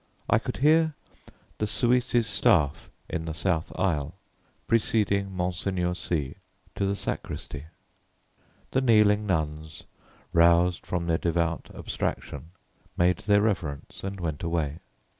I could hear the Suisse's staff in the south aisle, preceding Monseigneur C to the sacristy. The kneeling nuns, roused from their devout abstraction, made their reverence and went away.